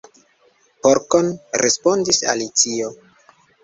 "Porkon," respondis Alicio.